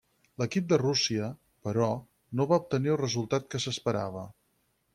L'equip de Rússia, però, no va obtenir el resultat que s'esperava.